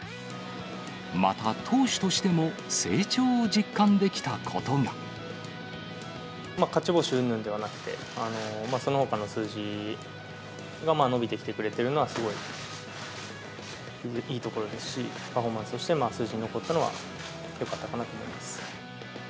また投手としても、成長を実勝ち星うんぬんではなくて、そのほかの数字が伸びてきてくれてるのは、すごいいいところですし、パフォーマンスとして数字に残ったのはよかったかなと思います。